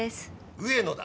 上野だ。